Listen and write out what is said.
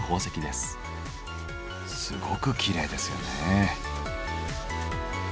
すごくきれいですよね。